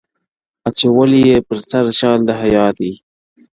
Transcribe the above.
• اچولی یې پر سر شال د حیا دی..